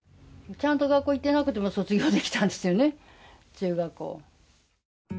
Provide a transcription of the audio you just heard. ちゃんと学校に行ってなくても卒業できたんですよね中学校。